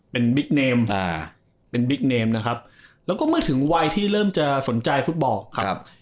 เป็นบิ๊กเนมอ่าเป็นบิ๊กเนมนะครับแล้วก็เมื่อถึงวัยที่เริ่มจะสนใจฟุตบอลครับ